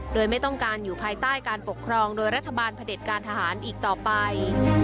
โดยไม่ต้องการอยู่ภายใต้การปกครองโดยรัฐบาลพระเด็จการทหารอีกต่อไป